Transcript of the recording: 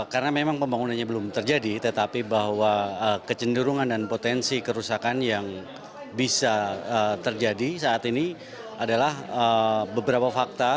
karena memang pembangunannya belum terjadi tetapi bahwa kecenderungan dan potensi kerusakan yang bisa terjadi saat ini adalah beberapa fakta